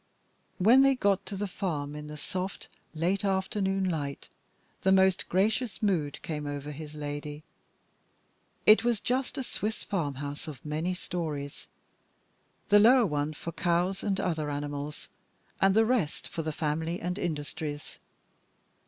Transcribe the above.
When they got to the farm in the soft late afternoon light, the most gracious mood came over his lady. It was just a Swiss farmhouse of many storeys, the lower one for the cows and other animals, and the rest for the family and industries.